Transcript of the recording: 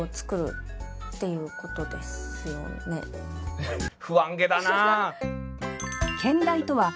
不安げだな。